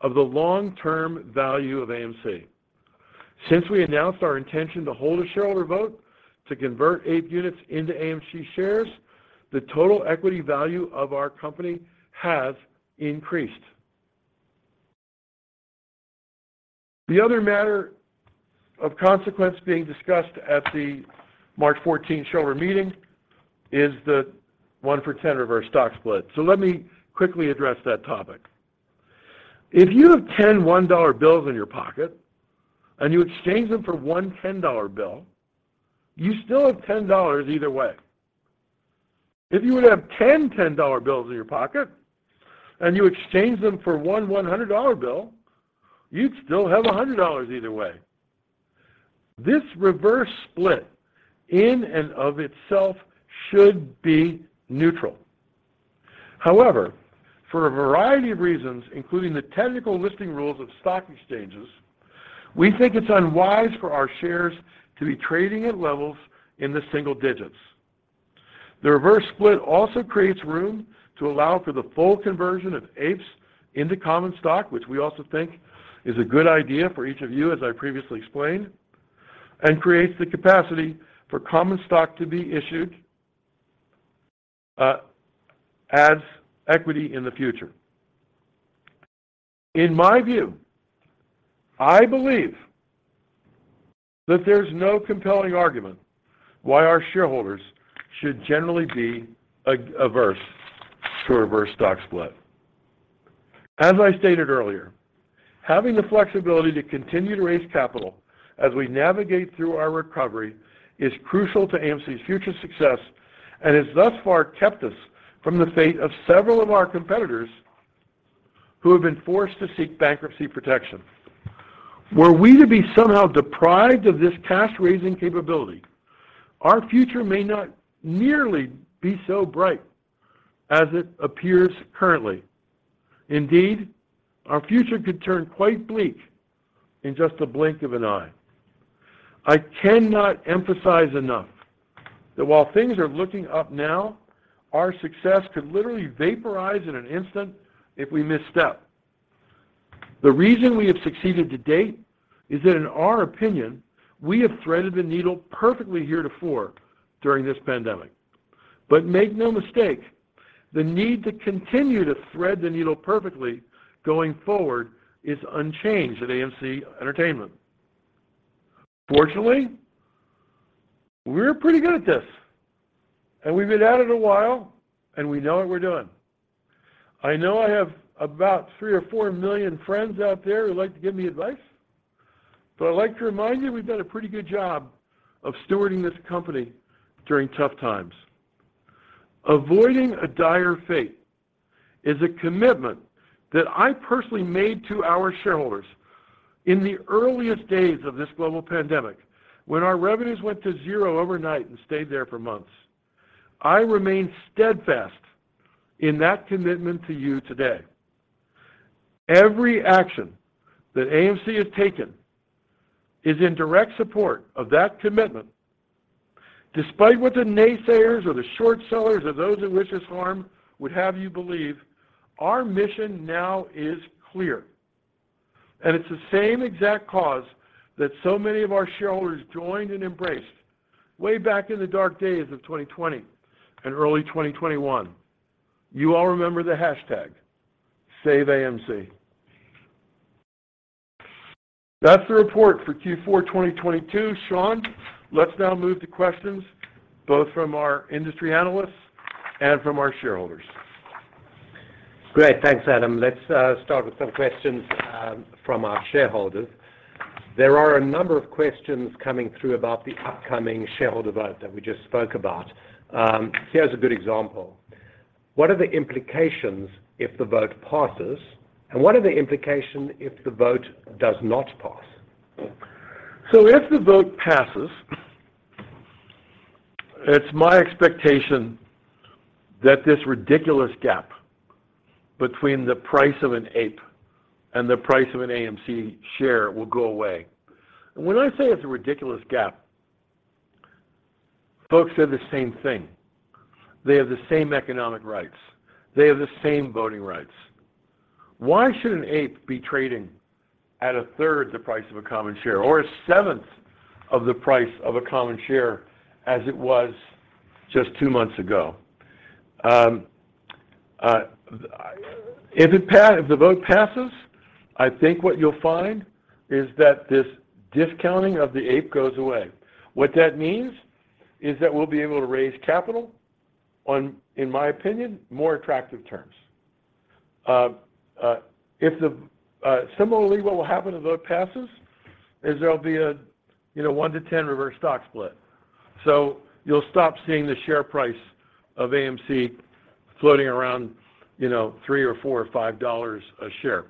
of the long-term value of AMC. Since we announced our intention to hold a shareholder vote to convert APE units into AMC shares, the total equity value of our company has increased. The other matter of consequence being discussed at the March fourteenth shareholder meeting is the one for 10 reverse stock split. Let me quickly address that topic. If you have 10 $1 bills in your pocket and you exchange them for one $10 bill, you still have $10 either way. If you would have 10 $10 bills in your pocket and you exchange them for one $100 bill, you'd still have $100 either way. This reverse split in and of itself should be neutral. However, for a variety of reasons, including the technical listing rules of stock exchanges, we think it's unwise for our shares to be trading at levels in the single digits. The reverse split also creates room to allow for the full conversion of APEs into common stock, which we also think is a good idea for each of you, as I previously explained, and creates the capacity for common stock to be issued as equity in the future. In my view, I believe that there's no compelling argument why our shareholders should generally be averse to a reverse stock split. As I stated earlier, having the flexibility to continue to raise capital as we navigate through our recovery is crucial to AMC's future success and has thus far kept us from the fate of several of our competitors who have been forced to seek bankruptcy protection. Were we to be somehow deprived of this cash-raising capability, our future may not nearly be so bright as it appears currently. Indeed, our future could turn quite bleak in just a blink of an eye. I cannot emphasize enough that while things are looking up now, our success could literally vaporize in an instant if we misstep. The reason we have succeeded to date is that in our opinion, we have threaded the needle perfectly heretofore during this pandemic. Make no mistake, the need to continue to thread the needle perfectly going forward is unchanged at AMC Entertainment. Fortunately, we're pretty good at this, and we've been at it a while, and we know what we're doing. I know I have about three or four million friends out there who like to give me advice, but I'd like to remind you we've done a pretty good job of stewarding this company during tough times. Avoiding a dire fate is a commitment that I personally made to our shareholders in the earliest days of this global pandemic, when our revenues went to zero overnight and stayed there for months. I remain steadfast in that commitment to you today. Every action that AMC has taken is in direct support of that commitment. Despite what the naysayers or the short sellers or those who wish us harm would have you believe, our mission now is clear. It's the same exact cause that so many of our shareholders joined and embraced way back in the dark days of 2020 and early 2021. You all remember the hashtag, Save AMC. That's the report for Q4 2022. Sean, let's now move to questions both from our industry analysts and from our shareholders. Great. Thanks, Adam. Let's start with some questions from our shareholders. There are a number of questions coming through about the upcoming shareholder vote that we just spoke about. Here's a good example. What are the implications if the vote passes, and what are the implications if the vote does not pass? If the vote passes, it's my expectation that this ridiculous gap between the price of an APE and the price of an AMC share will go away. When I say it's a ridiculous gap, folks, they're the same thing. They have the same economic rights. They have the same voting rights. Why should an APE be trading at a third the price of a common share or a seventh of the price of a common share as it was just two months ago? If the vote passes, I think what you'll find is that this discounting of the APE goes away. What that means is that we'll be able to raise capital on, in my opinion, more attractive terms. Similarly, what will happen if the vote passes is there'll be a, you know, 1-to-10 reverse stock split. You'll stop seeing the share price of AMC floating around $3 or $4 or $5 a share.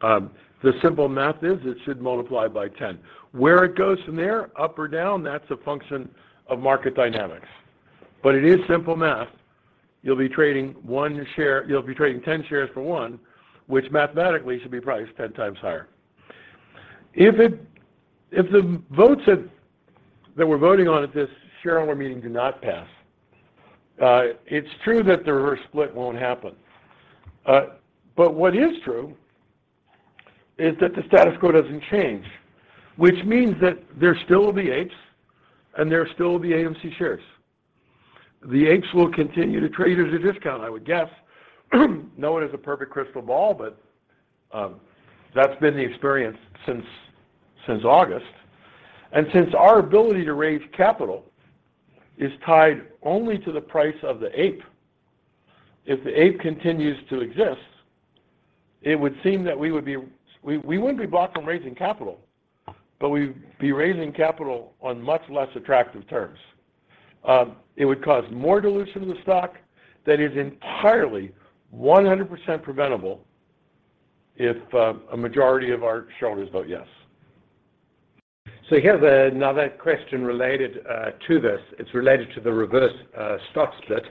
The simple math is it should multiply by 10. Where it goes from there, up or down, that's a function of market dynamics. It is simple math. You'll be trading 10 shares for one, which mathematically should be priced 10 times higher. If the votes that we're voting on at this shareholder meeting do not pass, it's true that the reverse split won't happen. What is true is that the status quo doesn't change, which means that there still will be APEs and there still will be AMC shares. The APEs will continue to trade at a discount, I would guess no one has a perfect crystal ball, but that's been the experience since August. Since our ability to raise capital is tied only to the price of the APE, if the APE continues to exist, it would seem that we wouldn't be blocked from raising capital, but we'd be raising capital on much less attractive terms. It would cause more dilution of the stock that is entirely 100% preventable if a majority of our shareholders vote yes. Here's another question related to this. It's related to the reverse stock split,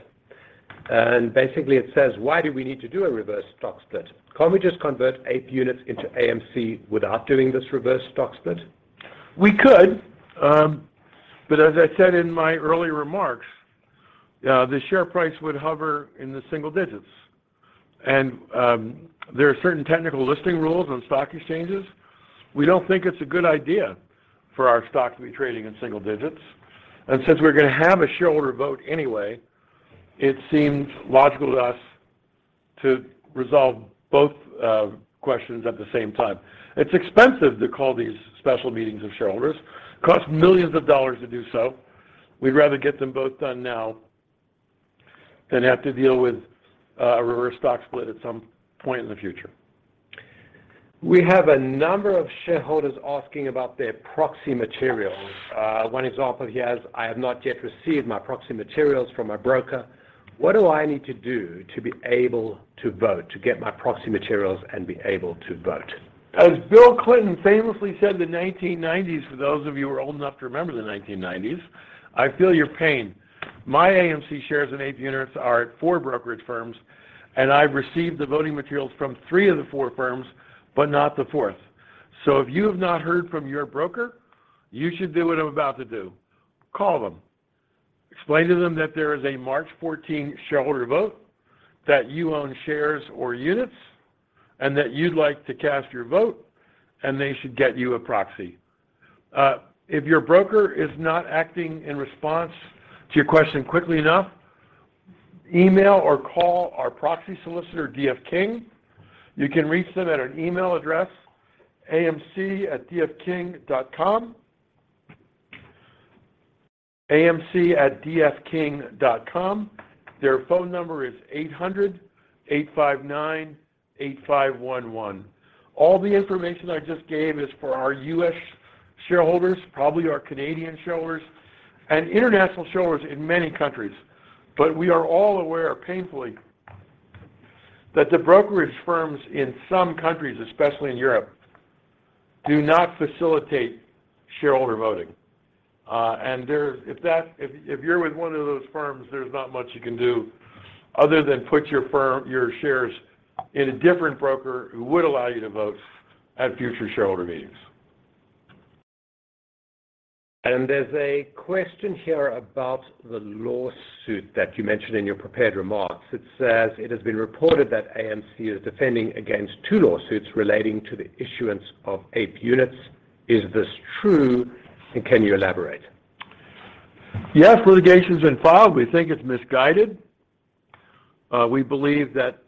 and basically it says, "Why do we need to do a reverse stock split? Can't we just convert APE units into AMC without doing this reverse stock split? We could, but as I said in my earlier remarks, the share price would hover in the single digits and there are certain technical listing rules on stock exchanges. We don't think it's a good idea for our stock to be trading in single digits and since we're gonna have a shareholder vote anyway, it seems logical to us to resolve both questions at the same time. It's expensive to call these special meetings of shareholders. Costs millions of dollars to do so. We'd rather get them both done now than have to deal with a reverse stock split at some point in the future. We have a number of shareholders asking about their proxy materials. one example he has, "I have not yet received my proxy materials from my broker. What do I need to do to be able to vote, to get my proxy materials and be able to vote? As Bill Clinton famously said in the 1990s, for those of you who are old enough to remember the 1990s, I feel your pain. My AMC shares and APE units are at four brokerage firms, and I've received the voting materials from three of the four firms, but not the fourth. If you have not heard from your broker, you should do what I'm about to do. Call them. Explain to them that there is a March 14 shareholder vote, that you own shares or units, and that you'd like to cast your vote, and they should get you a proxy. If your broker is not acting in response to your question quickly enough, email or call our proxy solicitor, D.F. King. You can reach them at an email address amc@dfking.com. amc@dfking.com. Their phone number is 800-859-8511. All the information I just gave is for our U.S. shareholders, probably our Canadian shareholders, and international shareholders in many countries. We are all aware painfully that the brokerage firms in some countries, especially in Europe, do not facilitate shareholder voting. If you're with one of those firms, there's not much you can do other than put your shares in a different broker who would allow you to vote at future shareholder meetings. There's a question here about the lawsuit that you mentioned in your prepared remarks. It says, "It has been reported that AMC is defending against two lawsuits relating to the issuance of APE units. Is this true, and can you elaborate? Yes, litigation's been filed. We think it's misguided. We believe that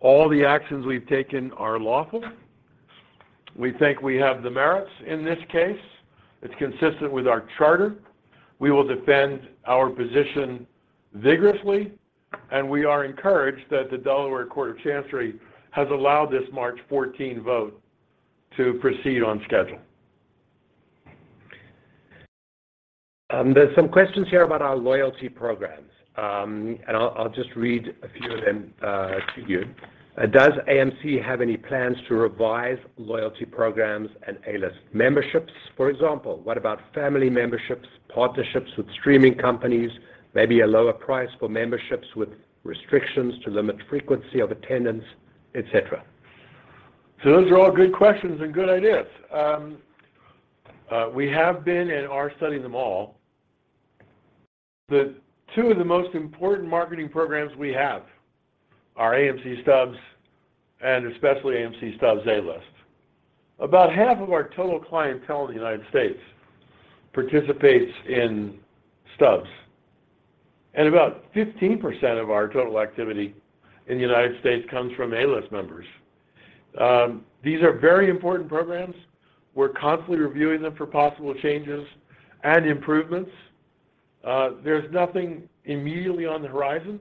all the actions we've taken are lawful. We think we have the merits in this case. It's consistent with our charter. We will defend our position vigorously, and we are encouraged that the Delaware Court of Chancery has allowed this March 14 vote to proceed on schedule. There's some questions here about our loyalty programs. I'll just read a few of them to you. "Does AMC have any plans to revise loyalty programs and A-List memberships? For example, what about family memberships, partnerships with streaming companies, maybe a lower price for memberships with restrictions to limit frequency of attendance, et cetera. Those are all good questions and good ideas. We have been and are studying them all. The two of the most important marketing programs we have are AMC Stubs and especially AMC Stubs A-List. About half of our total clientele in the United States participates in Stubs, and about 15% of our total activity in the United States comes from A-List members. These are very important programs. We're constantly reviewing them for possible changes and improvements. There's nothing immediately on the horizon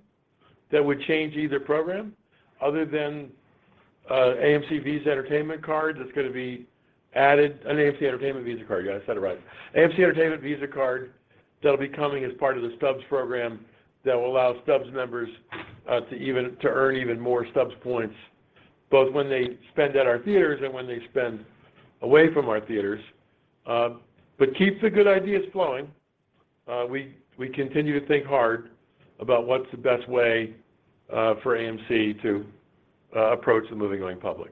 that would change either program other than AMC Entertainment Visa Card that's gonna be added. An AMC Entertainment Visa Card. Yeah, I said it right. AMC Entertainment Visa Card that'll be coming as part of the Stubs program that will allow Stubs members, to earn even more Stubs points, both when they spend at our theaters and when they spend away from our theaters. Keep the good ideas flowing. We continue to think hard about what's the best way for AMC to approach the movie-going public.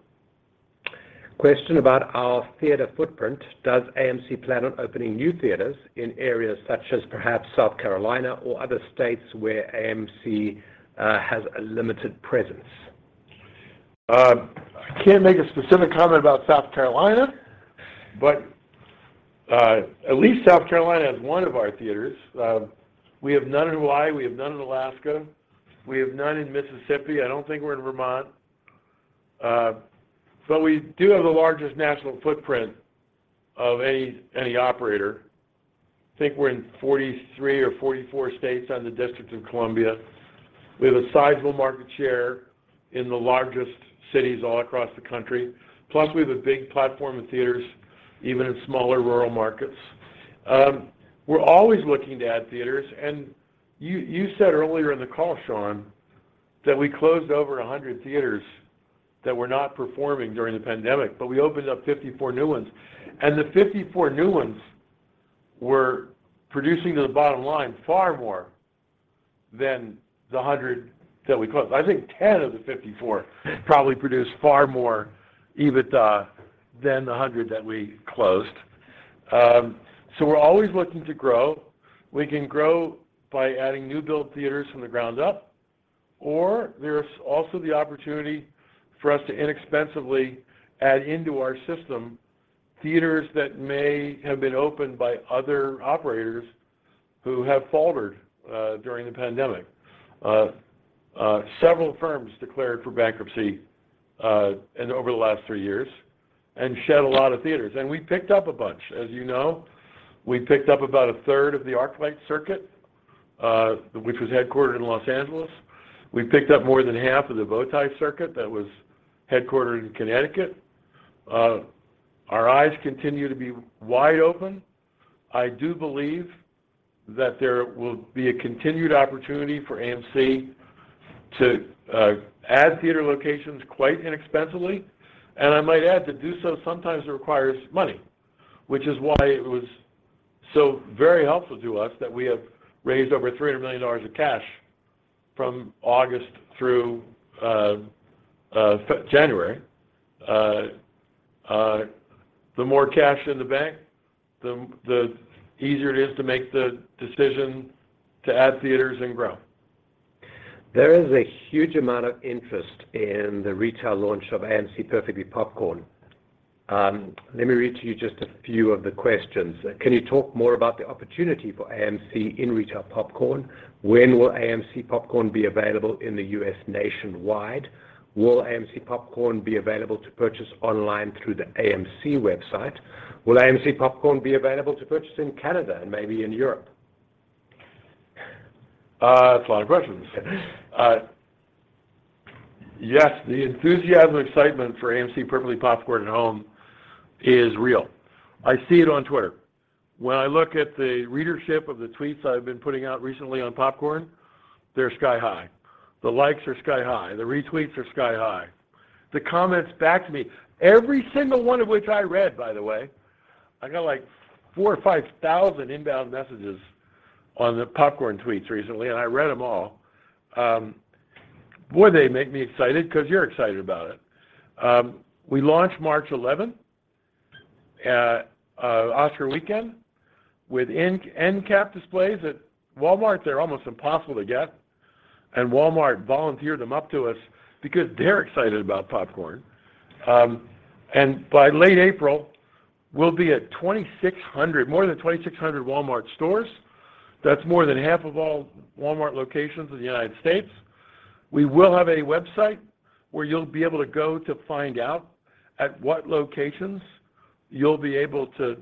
Question about our theater footprint. Does AMC plan on opening new theaters in areas such as perhaps South Carolina or other states where AMC has a limited presence? I can't make a specific comment about South Carolina, but at least South Carolina has one of our theaters. We have none in Hawaii. We have none in Alaska. We have none in Mississippi. I don't think we're in Vermont. We do have the largest national footprint of any operator. I think we're in 43 or 44 states and the District of Columbia. We have a sizable market share in the largest cities all across the country. We have a big platform of theaters even in smaller rural markets. We're always looking to add theaters. You said earlier in the call, Sean, that we closed over 100 theaters that were not performing during the pandemic, but we opened up 54 new ones, and the 54 new ones were producing to the bottom line far more than the 100 that we closed. I think 10 of the 54 probably produced far more EBITDA than the 100 that we closed. We're always looking to grow. We can grow by adding new build theaters from the ground up, or there's also the opportunity for us to inexpensively add into our system theaters that may have been opened by other operators who have faltered during the pandemic. Several firms declared for bankruptcy in over the last three years and shed a lot of theaters, and we picked up a bunch. As you know, we picked up about a third of the ArcLight Circuit, which was headquartered in Los Angeles. We picked up more than half of the Bow Tie Circuit that was headquartered in Connecticut. Our eyes continue to be wide open. I do believe that there will be a continued opportunity for AMC to add theater locations quite inexpensively, and I might add to do so sometimes requires money, which is why it was so very helpful to us that we have raised over $300 million of cash from August through January. The more cash in the bank, the easier it is to make the decision to add theaters and grow. There is a huge amount of interest in the retail launch of AMC Perfectly Popcorn. Let me read to you just a few of the questions. Can you talk more about the opportunity for AMC in retail popcorn? When will AMC Popcorn be available in the US nationwide? Will AMC Popcorn be available to purchase online through the AMC website? Will AMC Popcorn be available to purchase in Canada and maybe in Europe? That's a lot of questions. Yes, the enthusiasm and excitement for AMC Perfectly Popcorn at Home is real. I see it on Twitter. When I look at the readership of the tweets I've been putting out recently on popcorn, they're sky high. The likes are sky high. The retweets are sky high. The comments back to me, every single one of which I read, by the way. I got, like, four or five thousand inbound messages on the popcorn tweets recently, and I read them all. Boy, they make me excited because you're excited about it. We launch March 11th at Oscar weekend with end cap displays at Walmart. They're almost impossible to get. Walmart volunteered them up to us because they're excited about popcorn. By late April, we'll be at more than 2,600 Walmart stores. That's more than half of all Walmart locations in the United States. We will have a website where you'll be able to go to find out at what locations you'll be able to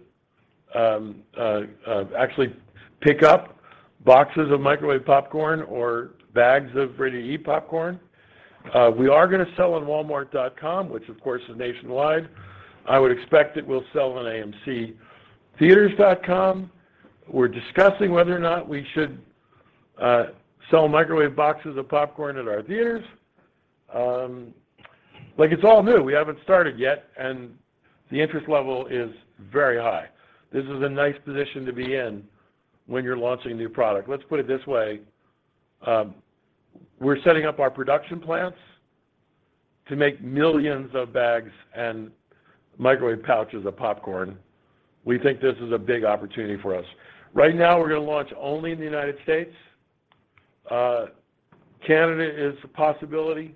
actually pick up boxes of microwave popcorn or bags of ready-to-eat popcorn. We are gonna sell on walmart.com, which of course is nationwide. I would expect that we'll sell on amctheatres.com. We're discussing whether or not we should sell microwave boxes of popcorn at our theaters. Look, it's all new. We haven't started yet. The interest level is very high. This is a nice position to be in when you're launching a new product. Let's put it this way. We're setting up our production plants to make millions of bags and microwave pouches of popcorn. We think this is a big opportunity for us. Right now, we're gonna launch only in the United States. Canada is a possibility.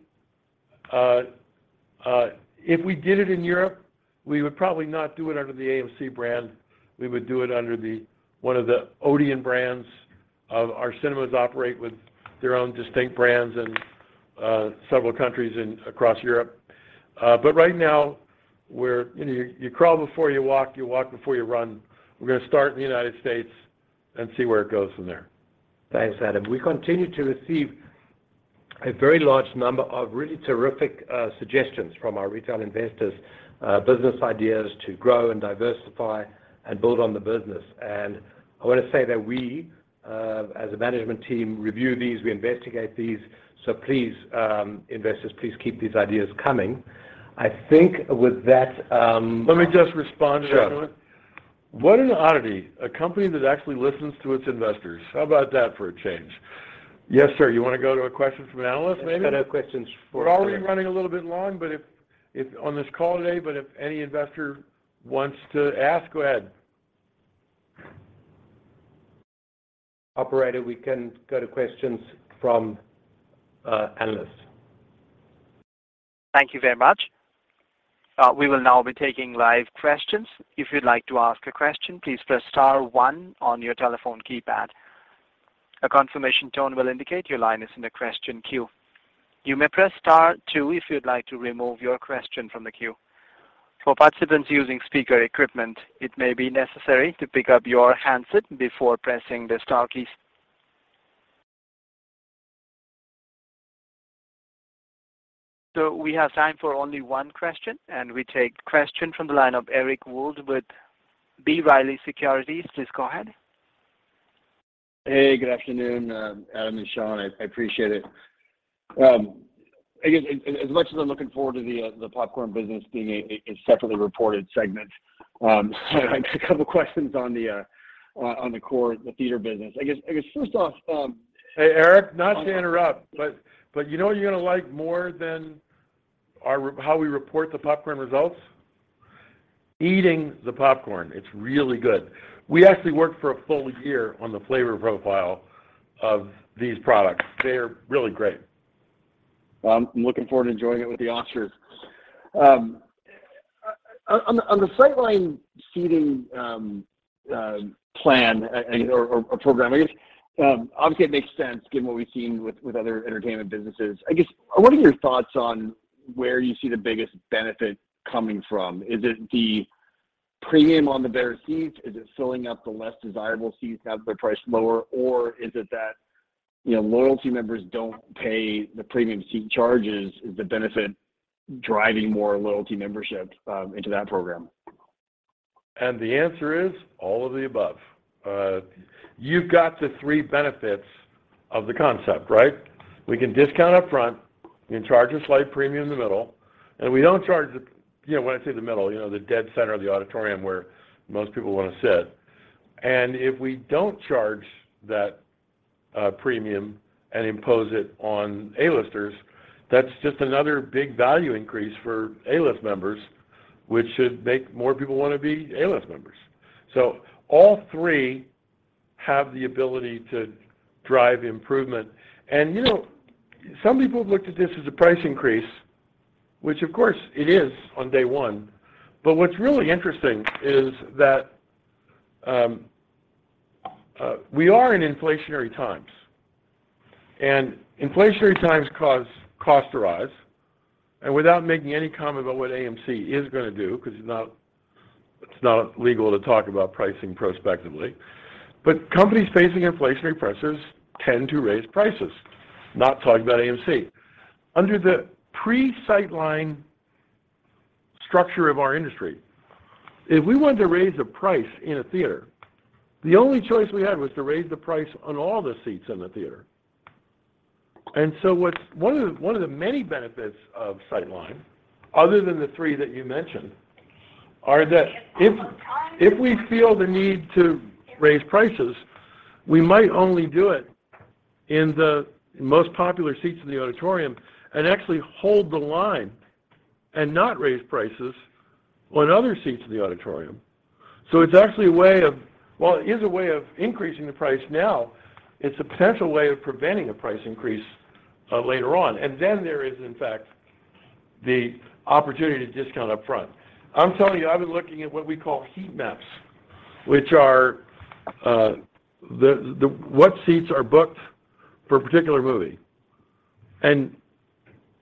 If we did it in Europe, we would probably not do it under the AMC brand. We would do it under one of the Odeon brands of our cinemas operate with their own distinct brands in several countries across Europe. Right now, we're, you know, you crawl before you walk, you walk before you run. We're gonna start in the United States and see where it goes from there. Thanks, Adam. We continue to receive a very large number of really terrific suggestions from our retail investors, business ideas to grow and diversify and build on the business. I want to say that we, as a management team, review these, we investigate these. Please, investors, please keep these ideas coming. I think with that. Let me just respond to that one. What an oddity, a company that actually listens to its investors. How about that for a change? Yes, sir. You wanna go to a question from analyst maybe? Let's go to questions for- We're already running a little bit long, but on this call today, but if any investor wants to ask, go ahead. Operator, we can go to questions from analysts. Thank you very much. We will now be taking live questions. If you'd like to ask a question, please press star one on your telephone keypad. A confirmation tone will indicate your line is in the question queue. You may press star two if you'd like to remove your question from the queue. For participants using speaker equipment, it may be necessary to pick up your handset before pressing the star keys. We have time for only one question, and we take question from the line of Eric Wold with B. Riley Securities. Please go ahead. Hey, good afternoon, Adam and Sean. I appreciate it. I guess as much as I'm looking forward to the popcorn business being a separately reported segment, I have a couple questions on the core, the theater business. I guess first off. Hey, Eric, not to interrupt, you know what you're gonna like more than our how we report the popcorn results? Eating the popcorn. It's really good. We actually worked for a full year on the flavor profile of these products. They are really great. Well, I'm looking forward to enjoying it with the Oscars. On the Sightline seating, or program, I guess, obviously it makes sense given what we've seen with other entertainment businesses. I guess what are your thoughts on where you see the biggest benefit coming from? Is it the premium on the better seats? Is it filling up the less desirable seats now they're priced lower? Or is it that, you know, loyalty members don't pay the premium seat charges, is the benefit driving more loyalty memberships into that program? The answer is all of the above. You've got the three benefits of the concept, right? We can discount up front, we can charge a slight premium in the middle. You know, when I say the middle, you know, the dead center of the auditorium where most people wanna sit. If we don't charge that premium and impose it on A-Listers, that's just another big value increase for A-List members, which should make more people wanna be A-List members. All three have the ability to drive improvement. You know, some people have looked at this as a price increase, which of course it is on day one, but what's really interesting is that we are in inflationary times. Inflations times cause costs to rise. Without making any comment about what AMC is gonna do, ’cause it’s not, it’s not legal to talk about pricing prospectively, but companies facing inflationary pressures tend to raise prices. Not talking about AMC. Under the pre-Sightline structure of our industry, if we wanted to raise the price in a theater, the only choice we had was to raise the price on all the seats in the theater. One of the many benefits of Sightline, other than the three that you mentioned, are that if we feel the need to raise prices, we might only do it in the most popular seats in the auditorium and actually hold the line and not raise prices on other seats in the auditorium. It's actually a way of, while it is a way of increasing the price now, it's a potential way of preventing a price increase later on. There is in fact the opportunity to discount up front. I'm telling you, I've been looking at what we call heat maps, which are what seats are booked for a particular movie.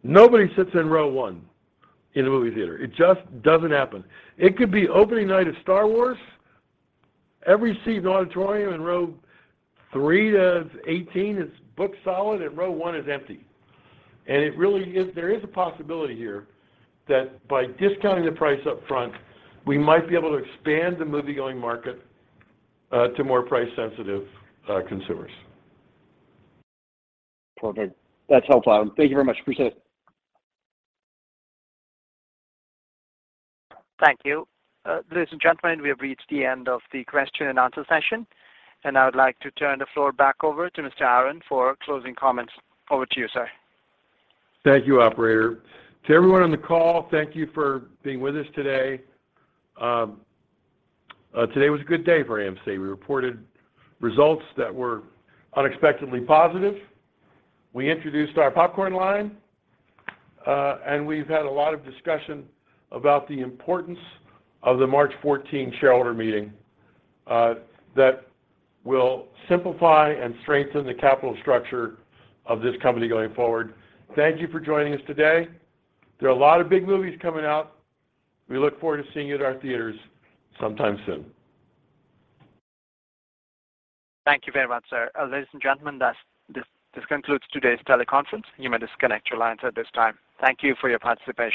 Nobody sits in row one in a movie theater. It just doesn't happen. It could be opening night of Star Wars, every seat in the auditorium in row three to 18 is booked solid, and row one is empty. It really is. There is a possibility here that by discounting the price up front, we might be able to expand the movie-going market to more price-sensitive consumers. Okay. That's helpful. Thank you very much. Appreciate it. Thank you. Ladies and gentlemen, we have reached the end of the question and answer session, and I would like to turn the floor back over to Mr. Aron for closing comments. Over to you, sir. Thank you, operator. To everyone on the call, thank you for being with us today. Today was a good day for AMC. We reported results that were unexpectedly positive. We introduced our popcorn line, and we've had a lot of discussion about the importance of the March 14 shareholder meeting, that will simplify and strengthen the capital structure of this company going forward. Thank you for joining us today. There are a lot of big movies coming out. We look forward to seeing you at our theaters sometime soon. Thank you very much, sir. Ladies and gentlemen, this concludes today's teleconference. You may disconnect your lines at this time. Thank you for your participation.